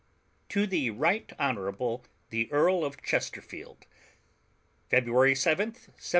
TO THE RIGHT HONORABLE THE EARL OF CHESTERFIELD February 7, 1755.